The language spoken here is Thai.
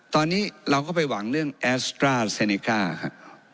ตอนนี้เราก็ไปหวังเรื่องแอสตราเซเนก้าครับ